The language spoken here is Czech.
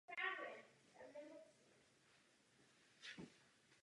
Důležitou roli hraje prvek náhody a následná interpretace obrazců.